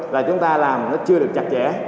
là chúng ta làm nó chưa được chặt chẽ